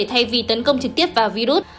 thay vì tấn công trực tiếp vào virus